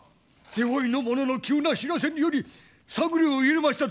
手負いの者の急な知らせにより探りを入れました